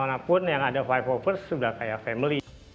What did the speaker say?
ke mana pun yang ada lima ratus satu st sudah kayak family